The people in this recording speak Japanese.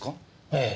ええ。